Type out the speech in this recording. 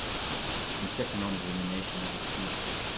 In the second round of elimination, he was defeated.